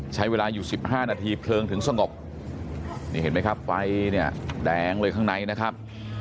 ใช้เวลาอยู่๑๕นาทีเพลิงถึงสงบนี่เห็นไหมครับไฟเนี่ยแดงเลยข้างในนะครับ